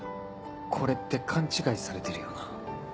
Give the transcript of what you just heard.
これって勘違いされてるよな